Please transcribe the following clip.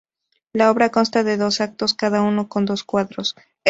La obra consta de dos actos, cada uno con dos cuadros.